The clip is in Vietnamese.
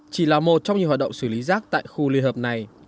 chỉ là một trong nhiều hoạt động xử lý rác tại khu liên hợp này